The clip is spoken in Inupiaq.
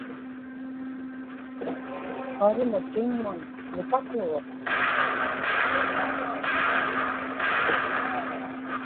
pagna tiŋŋun nipaturuq